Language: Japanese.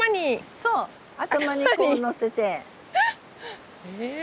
そう頭にこうのせて。へ。